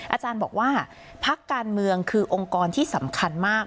อาจารย์บอกว่าพักการเมืองคือองค์กรที่สำคัญมาก